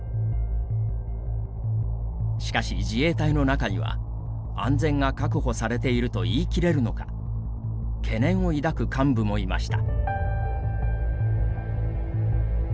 しかし、自衛隊の中には安全が確保されていると言い切れるのか懸念を抱く幹部もいました。